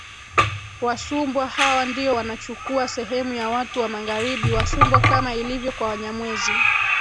Wasumbwa Hawa ndio wanachukua sehemu ya watu wa Magharibi Wasumbwa kama ilivyo kwa Wanyamwezi